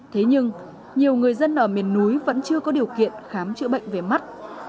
thế nhưng nhiều người dân ở miền núi vẫn chưa có điều kiện khám chữa bệnh về mắt